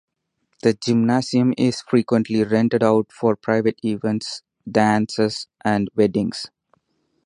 The gymnasium is frequently rented out for private events, dances and weddings.